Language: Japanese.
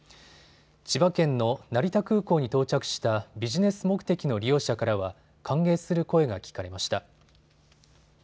千葉県の成田空港に到着したビジネス目的の利用者からは歓迎する声が聞かれました。